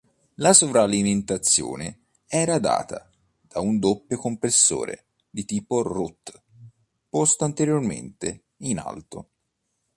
La sovralimentazione era data da un doppio compressore tipo Root, posto anteriormente, in alto.